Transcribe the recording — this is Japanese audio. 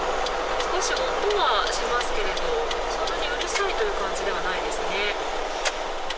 少し音はしますけれどそんなにうるさいという感じではないですね。